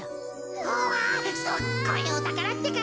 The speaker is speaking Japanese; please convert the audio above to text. うわすっごいおたからってか！